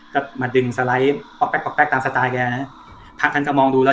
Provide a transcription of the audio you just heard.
ก็มาดึงสไลด์ป๊อกแป๊กป๊อกแป๊กตามสไตล์แกนะพระท่านก็มองดูแล้ว